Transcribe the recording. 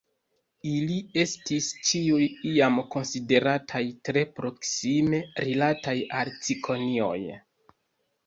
Ili estis ĉiuj iam konsiderataj tre proksime rilataj al cikonioj.